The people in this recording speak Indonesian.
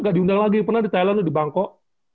gak diundang lagi pernah di thailand di bangkok